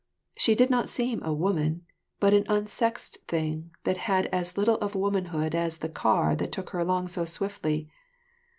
She did not seem a woman, but an unsexed thing that had as little of woman hood as the car that took her along so swiftly.